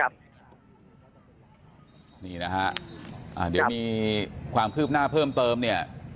นี่นะฮะเดี๋ยวมีความคืบหน้าเพิ่มเติมเนี่ย